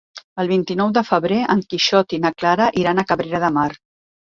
El vint-i-nou de febrer en Quixot i na Clara iran a Cabrera de Mar.